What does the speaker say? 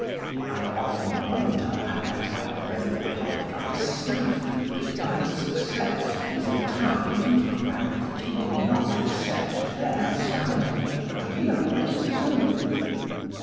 I often wonder, however, whether the public understand that that success is entirely due to the fact that he did not accept their standard, but realised his own.